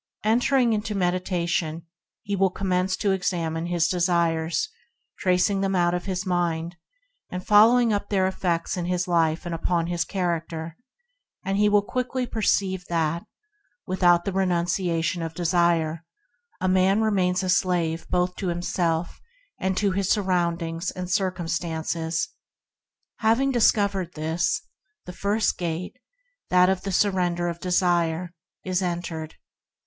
Entering into meditation, he will commence to examine his desires, tracing them out in his mind, and following up their effects in his life and upon his character; and he will quickly perceive that without the renunciation of desire a man remains a slave both to him self and to his surroundings and circum stances. Having discovered this, the first Gate, that of the Surrender of Desire, is THE FINDING OF A PRINCIPLE 45 entered.